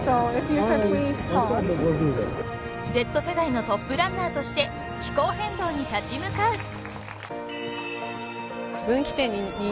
［Ｚ世代のトップランナーとして気候変動に立ち向かう］